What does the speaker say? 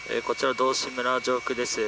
こちら、道志村上空です。